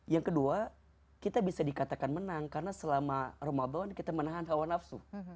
yang kedua kita bisa dikatakan menang karena selama ramadan kita menahan hawa nafsu